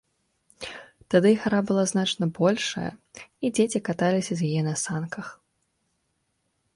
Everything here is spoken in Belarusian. Тады гара была значна большая, і дзеці каталіся з яе на санках.